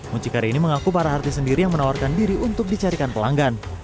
mucikari ini mengaku para artis sendiri yang menawarkan diri untuk dicarikan pelanggan